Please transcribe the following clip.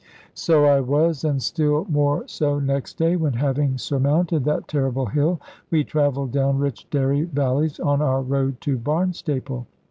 So I was, and still more so next day, when, having surmounted that terrible hill, we travelled down rich dairy valleys on our road to Barnstaple.